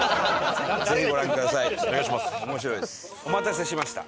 お待たせしました。